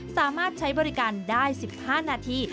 สามารถใช้บริการได้๑๕นาที